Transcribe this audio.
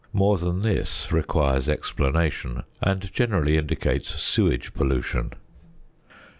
More than this requires explanation, and generally indicates sewage pollution.